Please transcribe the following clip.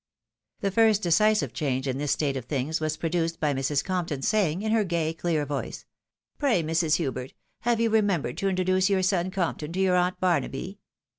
The first decisive change in this state of things was produced by Mrs. Compton's saying, in her gay, clear voice, " Pray, Mrs. Hubert, have you remembered to introduce your son Compton to your aunt Barnaby?